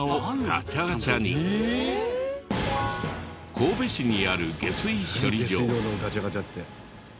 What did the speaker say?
神戸市にある下水処理場。